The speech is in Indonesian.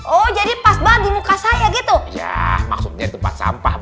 oh jadi pas banget di muka saya gitu maksudnya tempat sampah